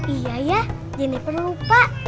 iya ya jeniper lupa